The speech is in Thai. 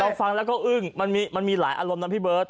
ฟังแล้วก็อึ้งมันมีหลายอารมณ์นะพี่เบิร์ต